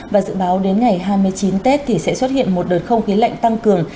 và dự báo đến ngày hai mươi chín tết thì sẽ xuất hiện một đợt không khí lạnh tăng cường